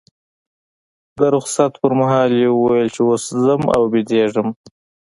د رخصت پر مهال یې وویل چې اوس ځم او بیدېږم.